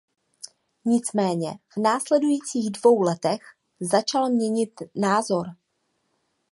Nicméně v následujících dvou letech začal měnit názor.